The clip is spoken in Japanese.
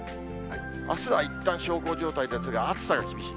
あすはいったん小康状態ですが、暑さが厳しい。